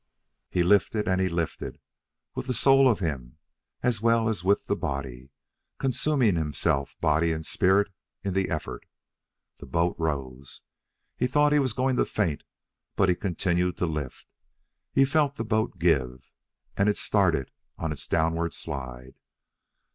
He lifted, and he lifted with the soul of him as well as with the body, consuming himself, body and spirit, in the effort. The boat rose. He thought he was going to faint, but he continued to lift. He felt the boat give, as it started on its downward slide.